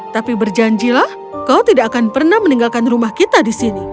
tapi berjanjilah kau tidak akan pernah meninggalkan rumah kita di sini